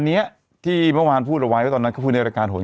เนี้ยที่เมื่อวานพูดระวัยก็ตอนนั้นก็พูดในรายการโหลด